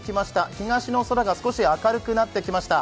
東の空が少し明るくなってきました。